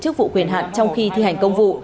chức vụ quyền hạn trong khi thi hành công vụ